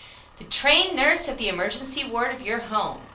] THE TRAINED NURSE OF THE EMERGENCY WARD OF YOUR HOME.